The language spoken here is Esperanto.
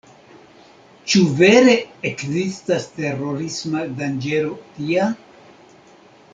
Ĉu vere ekzistas terorisma danĝero tia?